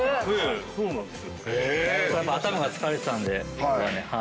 頭が疲れてたんで。